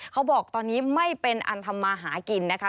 เขาบอกตอนนี้ไม่เป็นอันทำมาหากินนะคะ